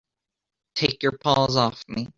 Take your paws off me!